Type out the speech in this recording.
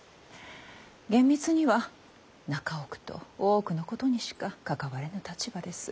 厳密には中奥と大奥のことにしか関われぬ立場です。